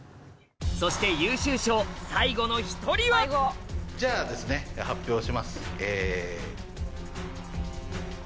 そして優秀賞最後の一人はじゃあですね発表します。